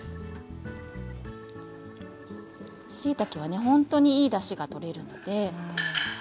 しいたけは本当にいいだしが取れるので。